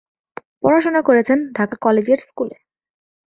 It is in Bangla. পড়াশোনা করেছেন ঢাকা কলেজিয়েট স্কুলে।